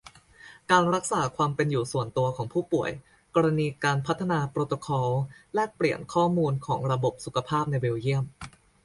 การรักษาความเป็นอยู่ส่วนตัวของผู้ป่วย กรณีการพัฒนาโปรโตคอลแลกเปลี่ยนข้อมูลของระบบสุขภาพในเบลเยียม